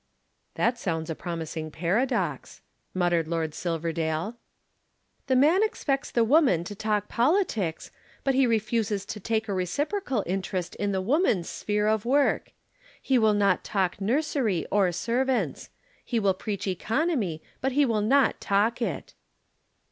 "That sounds a promising paradox," muttered Lord Silverdale. "The man expects the woman to talk politics but he refuses to take a reciprocal interest in the woman's sphere of work. He will not talk nursery or servants. He will preach economy, but he will not talk it."